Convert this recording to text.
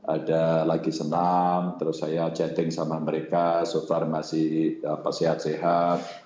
ada lagi senam terus saya chatting sama mereka so far masih sehat sehat